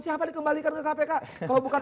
siapa dikembalikan ke kpk kalau bukan